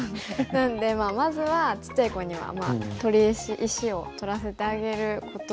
なのでまずはちっちゃい子には取り石石を取らせてあげることですかね。